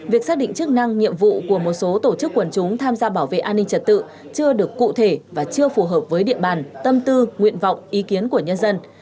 việc xác định chức năng nhiệm vụ của một số tổ chức quần chúng tham gia bảo vệ an ninh trật tự chưa được cụ thể và chưa phù hợp với địa bàn tâm tư nguyện vọng ý kiến của nhân dân